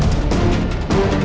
gue tunggu di sini